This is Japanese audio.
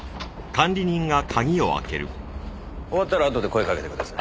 終わったらあとで声かけてください。